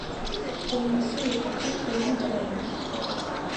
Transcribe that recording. პროვინცია იყოფა თორმეტ რაიონად.